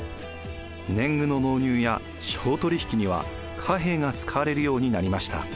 年貢の納入や商取引には貨幣が使われるようになりました。